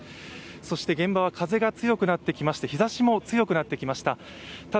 そして現場は風が強くなってきまして日ざしも強くなってきました。